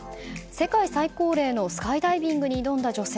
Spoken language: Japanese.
世界最高齢のスカイダイビングに挑んだ女性。